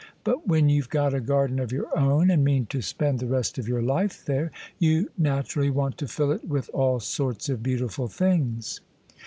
But when you've got a garden of your own, and mean to spend the rest of your life there, you naturally want to fill it with all sorts of beautiful things."